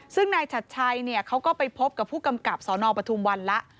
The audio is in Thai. ซึ่งนายชัดชัยเขาก็ไปพบกับผู้กำกับสนปทุมวันแล้ว